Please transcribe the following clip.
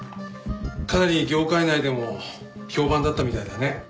かなり業界内でも評判だったみたいだね。